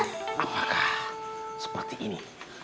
apakah seperti ini